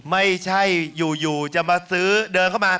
ไม่ใช่อยู่จะมาซื้อเดินเข้ามา